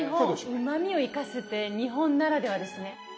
うまみを生かすって日本ならではですね。